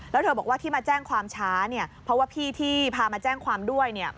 แล้วเธอบอกว่าที่มาแจ้งความช้าเนี่ยเพราะว่าพี่ที่พามาแจ้งความด้วยเนี่ย